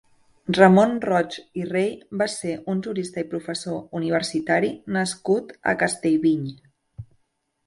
Ramon Roig i Rey va ser un jurista i professor universitari nascut a Castellviny.